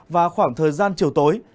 và khoảng thời gian chiều tối